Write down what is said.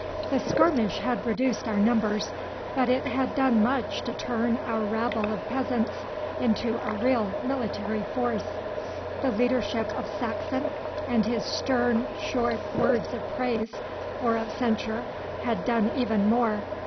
The skirmish had reduced our numbers, but it had done much to turn our rabble of peasants into a real military force. The leadership of Saxon, and his stern, short words of praise or of censure had done even more.